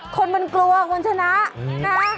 คนมันกลัวว่าคนชนะนะ